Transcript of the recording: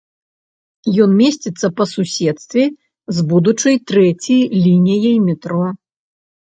Ён месціцца па суседстве з будучай трэцяй лініяй метро.